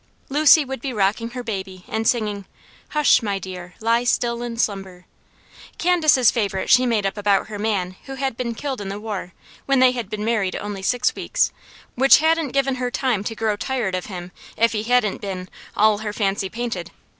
Lucy would be rocking her baby and singing, "Hush, my dear, lie still and slumber." Candace's favourite she made up about her man who had been killed in the war, when they had been married only six weeks, which hadn't given her time to grow tired of him if he hadn't been "all her fancy painted."